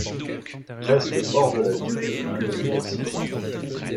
Presque hors de la vie un lugubre sillon ;